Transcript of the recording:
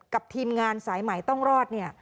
กับทีมงานสายหมายต้องรอด